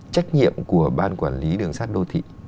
trách nhiệm của ban quản lý đường sát đô thị